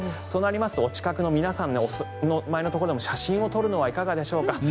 そうなりますとお近くの皆さんのお住まいのところで写真を撮るのはいかがでしょうか。